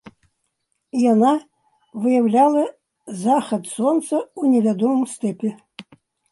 Яна выяўляла захад сонца ў невядомым стэпе.